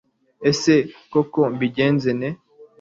ese koko mbigenze nte